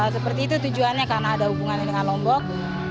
seperti itu tujuannya karena ada hubungannya dengan lombok